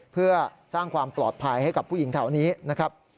เพื่อสร้างความปลอดภัยให้กับผู้หญิงแถวนี้นะครับ